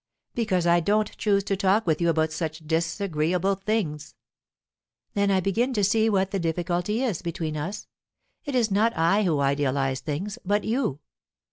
"Because I don't choose to talk with you about such disagreeable things." "Then I begin to see what the difficulty is between us. It is not I who idealize things, but you.